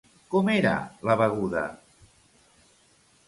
Com era la beguda?